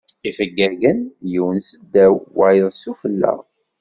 Ifeggagen yiwen s ddaw wayeḍ sufella.